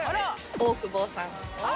大久保さん。